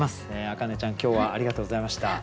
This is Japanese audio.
明音ちゃん今日はありがとうございました。